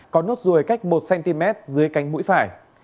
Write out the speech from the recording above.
có nốt ruồi cách một cm dưới cánh mũi phải